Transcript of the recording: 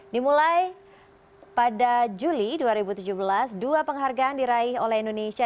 dimulai pada juli dua ribu tujuh belas dua penghargaan diraih oleh indonesia